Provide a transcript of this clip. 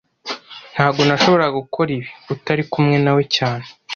Ntago nashoboraga gukora ibi utari kumwe nawe cyane